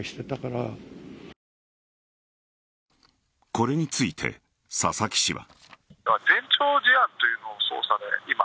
これについて佐々木氏は。